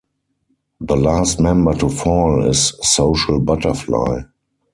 The last member to fall is Social Butterfly.